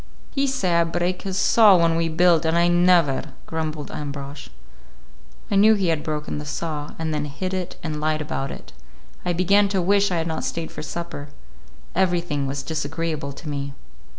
"He say I break his saw when we build, and I never," grumbled Ambrosch. I knew he had broken the saw, and then hid it and lied about it. I began to wish I had not stayed for supper. Everything was disagreeable to me.